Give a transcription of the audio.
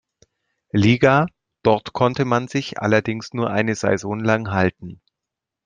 Liga, dort konnte man sich allerdings nur eine Saison lang halten.